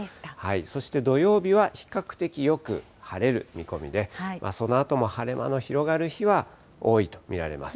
そして土曜日は、比較的よく晴れる見込みで、そのあとも晴れ間の広がる日は多いと見られます。